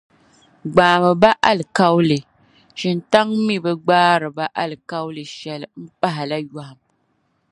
Gbaami ba alikauli, shintaŋ mi bi gbaari ba alikauli shɛli m-pahila yɔhim.